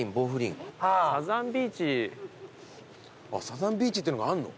サザンビーチっていうのがあるの？